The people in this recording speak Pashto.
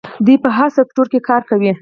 دوی په هر سکتور کې کار کوي.